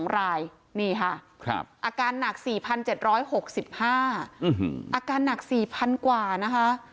๒รายนี่ค่ะอาการหนัก๔๗๖๕อาการหนัก๔๐๐๐กว่านะคะ